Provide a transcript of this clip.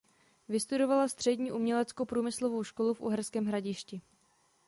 Vystudovala Střední uměleckoprůmyslovou školu v Uherském Hradišti.